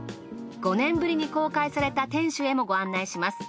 ５年ぶりに公開された天守へもご案内します。